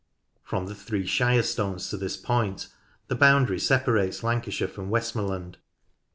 From the Three Shire Stones to this point the boundary separates Lancashire from Westmorland.